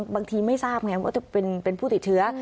บางทีไม่ทราบไงว่าจะเป็นผู้ติดเชื้อ